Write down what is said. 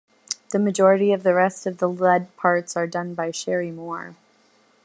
The majority of the rest of the lead parts are done by Cherie Moor.